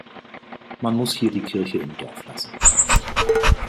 Man muss hier die Kirche im Dorf lassen.